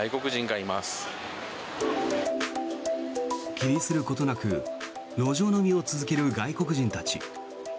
気にすることなく路上飲みを続ける外国人たち。